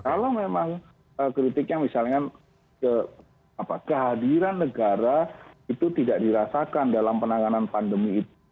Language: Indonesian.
karena memang kritiknya misalnya kehadiran negara itu tidak dirasakan dalam penanganan pandemi itu